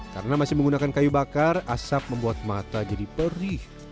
karena masih menggunakan kayu bakar asap membuat mata jadi perih